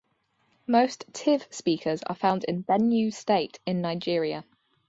Most Tiv speakers are found in Benue State in Nigeria.